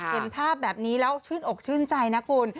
เห็นภาพแบบนี้แล้วชื่นอกชื่นใจนะคุณ